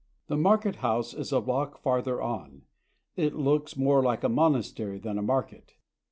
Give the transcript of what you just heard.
The market house is a block farther on. It looks more like a monastery than a market.